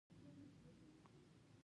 مرګ، په تیارې کې ډزې او یا هم ځغاسته.